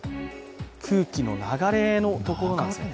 空気の流れのところなんですね。